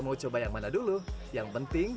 mau coba yang mana dulu yang penting